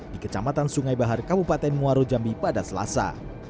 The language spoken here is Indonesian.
di kecamatan sungai bahar kabupaten muarujambi pada selasa